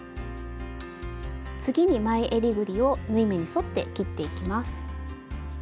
次に前えりぐりを縫い目に沿って切っていきます。